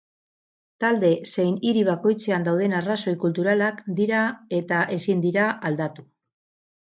Talde zein hiri bakoitzean dauden arrazoi kulturalak dira eta ezin dira aldatu.